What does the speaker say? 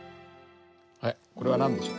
はいこれは何でしょう？